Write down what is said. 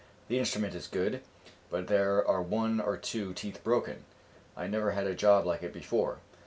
The instrument is good, but there are one or two teeth broken; I never had a job like it before."